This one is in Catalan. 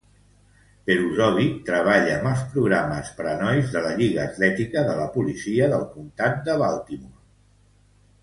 Peruzovic treballa amb els programes per a nois de la lliga atlètica de la policia del comtat de Baltimore.